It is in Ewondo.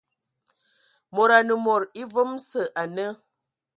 Mod anə mod evam sə ane..